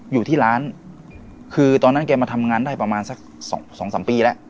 อยู่ที่ร้านคือตอนนั้นแกมาทำงานได้ประมาณสักสองสองสามปีแล้ว